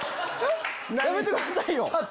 やめてくださいよ！